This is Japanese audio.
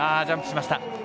ジャンプしました。